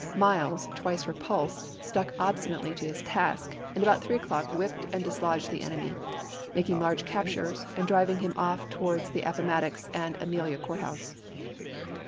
Miles, twice repulsed, stuck obstioately to his task, and about three o'clock whipped and dislodged the enemy, making large captures, and driving him off towards the Appo mattox and Amelia Court House.